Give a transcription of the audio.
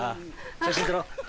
写真撮ろう。